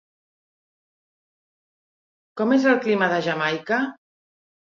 Com és el clima de Jamaica?